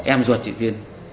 em ruột chị tiên